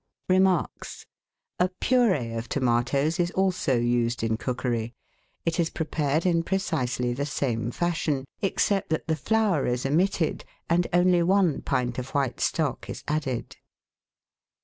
Remarks. — A pur^e of tomatoes is also used in cookery; it is prepared in precisely the same fashion, except that the flour is omitted and only one pint of white stock is added.